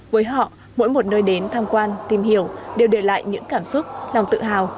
với họ mỗi một nơi đến tham quan tìm hiểu đều để lại những cảm xúc lòng tự hào